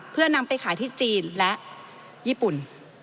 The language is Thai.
เพื่อนำไปขายที่จีนและญี่ปุ่น